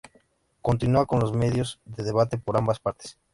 Continúa con los medios de debate por ambas partes.